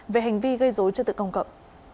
về hành vi gây dối cho tự công cậu